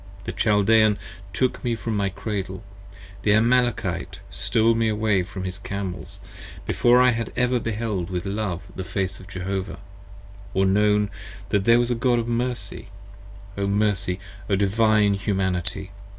The Chaldean took Me from my Cradle. The Amalekite stole me away upon his Camels, Before I had ever beheld with love the Face of Jehovah : or known That there was a God of Mercy: O Mercy, O Divine Humanity!